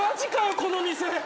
この店。